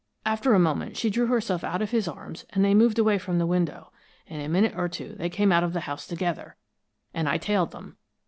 After a moment she drew herself out of his arms and they moved away from the window. In a minute or two they came out of the house together, and I tailed them.